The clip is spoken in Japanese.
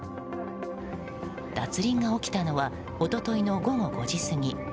脱輪が起きたのは一昨日の午後５時過ぎ。